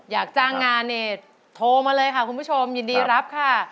อยากจ้างงานเนี่ยโทรมาเลยค่ะคุณผู้ชมยินดีรับค่ะ